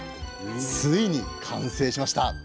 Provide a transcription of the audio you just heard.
ついに完成しました。